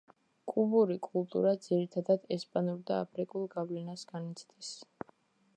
კუბური კულტურა ძირითადად ესპანურ და აფრიკულ გავლენას განიცდის.